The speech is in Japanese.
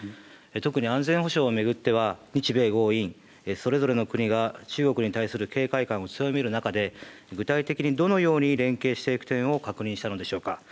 特に安全保障を巡っては、日米豪印、それぞれの国が中国に対する警戒感を強める中で、具体的にどのように連携していく点を確認したのでしょうか。